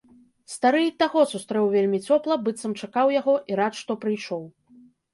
Стары і таго сустрэў вельмі цёпла, быццам чакаў яго, і рад, што прыйшоў.